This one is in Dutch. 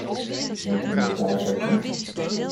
Neemt de meertaligheid toe?